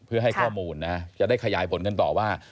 เพื่อให้ข้อมูลนะจะได้ขยายผลกันต่อว่า